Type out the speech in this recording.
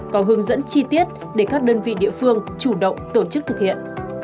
có hướng dẫn chi tiết để các đơn vị địa phương chủ động tổ chức thực hiện